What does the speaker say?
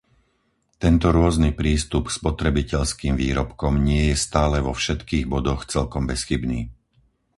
Tento rôzny prístup k spotrebiteľským výrobkom nie je stále vo všetkých bodoch celkom bezchybný.